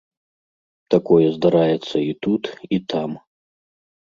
Такое здараецца і тут, і там.